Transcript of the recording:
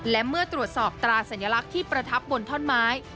และเมื่อตรวจสอบตราสัญลักษณ์ที่ประทับบนท่อนไม้